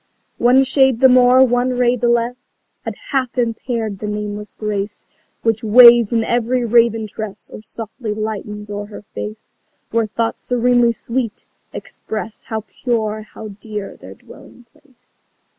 One ray the more, one shade the less Had half impaired the nameless grace Which waves in every raven tress Or softly lightens o'er her face, Where thoughts serenely sweet express How pure, how dear their dwelling place.